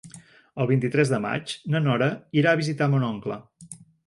El vint-i-tres de maig na Nora irà a visitar mon oncle.